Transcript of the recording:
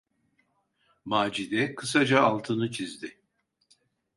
Macide kısaca altını çizdi: